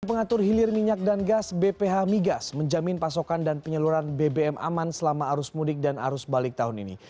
pengatur hilir minyak dan gas bph migas menjamin pasokan dan penyaluran bbm aman selama arus mudik dan arus balik tahun ini